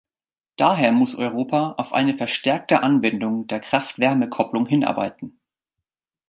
Daher muss Europa auf eine verstärkte Anwendung der Kraft-Wärme-Kopplung hinarbeiten.